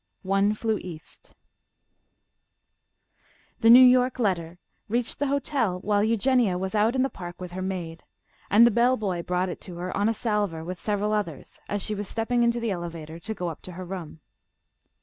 "ONE FLEW EAST." The New York letter reached the hotel while Eugenia was out in the park with her maid, and the bell boy brought it to her on a salver with several others, as she was stepping into the elevator to go up to her room.